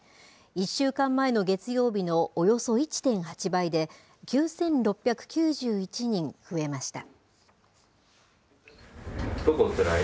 １週間前の月曜日のおよそ１．８倍で、９６９１人増えました。